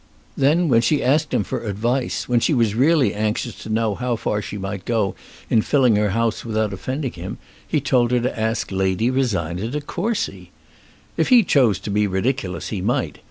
Then when she asked him for advice, when she was really anxious to know how far she might go in filling her house without offending him, he told her to ask Lady Rosina De Courcy! If he chose to be ridiculous he might.